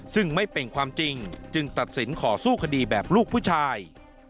ซึ่งไม่เป็นความจริงจึงตัดสินขอสู้คดีแบบลูกผู้ชาย